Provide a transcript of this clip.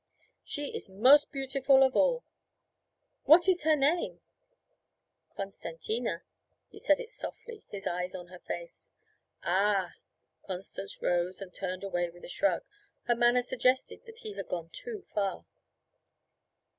'She is most beautiful of all.' 'What is her name?' 'Costantina.' He said it softly, his eyes on her face. 'Ah,' Constance rose and turned away with a shrug. Her manner suggested that he had gone too far.